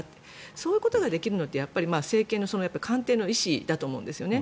そういうことができるのって政権の官邸の意思だと思うんですね。